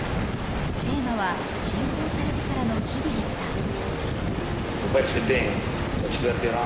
テーマは侵攻されてからの日々でした。